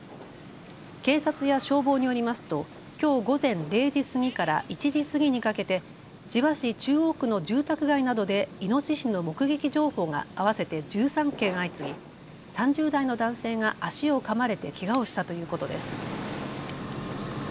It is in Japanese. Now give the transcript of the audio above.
警察や消防によりますときょう午前０時過ぎから１時過ぎにかけて千葉市中央区の住宅街などでイノシシの目撃情報が合わせて１３件相次ぎ３０代の男性が足をかまれてけがをしたということです。